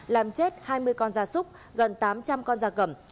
làm chết hai mươi con gia súc gần tám trăm linh con gia cầm